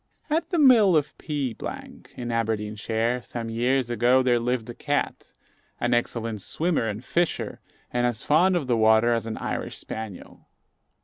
At the mill of P , in Aberdeenshire, some years ago, there lived a cat, an excellent swimmer and fisher, and as fond of the water as an Irish spaniel.